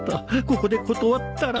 ここで断ったら